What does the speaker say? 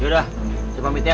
yaudah saya pamit ya